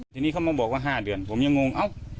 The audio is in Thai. ทีนี้เขามาบอกว่า๕เดือนผมยังงงเอ้า